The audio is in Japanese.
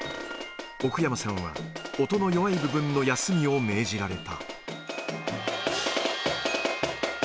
奥山さんは、音の弱い部分の休みを命じられた。